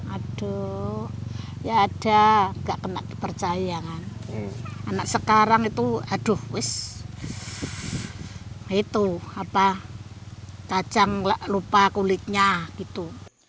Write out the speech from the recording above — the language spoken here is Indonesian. aduh ya ada nggak kena dipercaya kan anak sekarang itu aduh wis itu apa kacang lupa kulitnya gitu